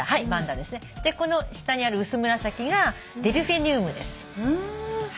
でこの下にある薄紫がデルフィニウムです。